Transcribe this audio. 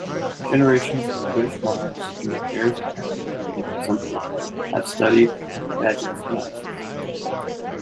Generations of British monarchs and their heirs apparent and presumptive have studied Bagehot's analysis.